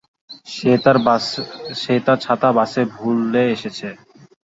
সে তার ছাতা বাসে ভুলে এসেছে।